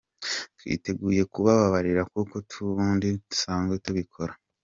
Twiteguye kubababarira kuko n’ubundi dusanzwe tubikora.